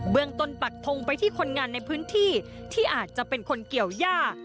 เมืองต้นปักทงไปที่คนงานในพื้นที่ที่อาจจะเป็นคนเกี่ยวย่า